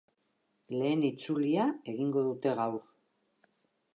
Lehen itzulia egingo dute gaur.